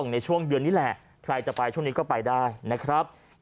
และช่วงบี่จะไม่ใครจะไปเสริมไหมก็แปลกนะครับ